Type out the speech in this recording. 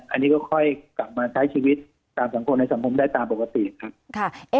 อันนี้ก็ค่อยกลับมาใช้ชีวิตตามสังคมในสังคมได้ตามปกติครับ